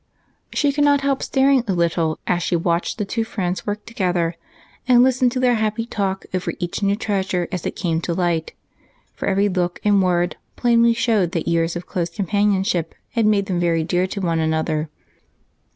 She could not help staring a little as she watched the two friends work together and listened to their happy talk over each new treasure as it came to light, for every look and word plainly showed that years of close companionship had made them very dear to one another.